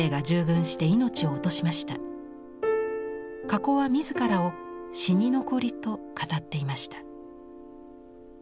かこは自らを「死に残り」と語っていました。